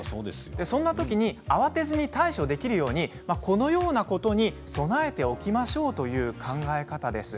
そんな時に慌てずに対処できるようこのようなことに備えておきましょうという考え方です。